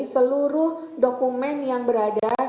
seluruh dokumen yang berada